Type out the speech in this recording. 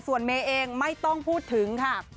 ส่วนเมย์เองไม่ต้องพูดถึงค่ะ